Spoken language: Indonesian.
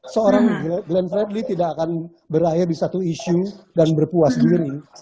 seorang glenn fredly tidak akan berakhir di satu isu dan berpuas diri